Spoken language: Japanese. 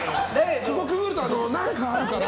ここをくぐると何かあるかな？